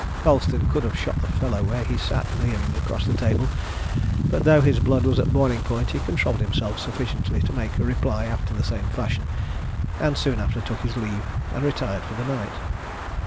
Colston could have shot the fellow where he sat leering across the table; but though his blood was at boiling point, he controlled himself sufficiently to make a reply after the same fashion, and soon after took his leave and retired for the night.